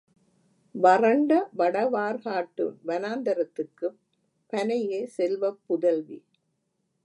வறண்ட வடவார்க்காட்டு வனாந்தரத்துக்குப் பனையே செல்வப் புதல்வி.